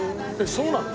そうなの？